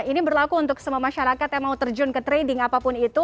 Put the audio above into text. ini berlaku untuk semua masyarakat yang mau terjun ke trading apapun itu